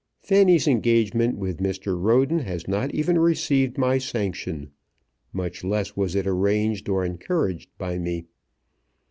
Fanny's engagement with Mr. Roden has not even received my sanction. Much less was it arranged or encouraged by me.